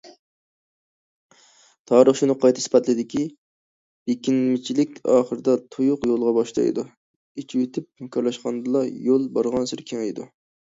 تارىخ شۇنى قايتا ئىسپاتلىدىكى، بېكىنمىچىلىك ئاخىرىدا تۇيۇق يولغا باشلايدۇ، ئېچىۋېتىپ ھەمكارلاشقاندىلا، يول بارغانسېرى كېڭىيىدۇ.